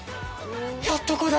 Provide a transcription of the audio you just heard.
やっとこだ！